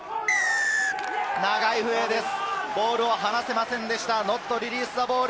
長い笛です。